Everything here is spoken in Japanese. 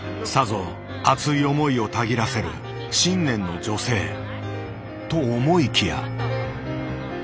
さぞ熱い思いをたぎらせる信念の女性と思いきや。